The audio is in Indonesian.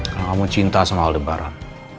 karena kamu cinta sama aldebaran